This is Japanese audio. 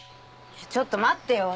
ちょっと待ってよ。